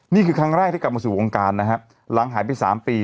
นี่คือครั้งแรกที่กลับมาสู่วงการนะฮะหลังหายไป๓ปี